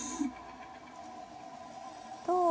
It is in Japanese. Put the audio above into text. どう？